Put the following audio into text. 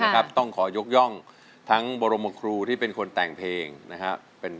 กระแซะกระแซะกระแซะเข้ามาสิ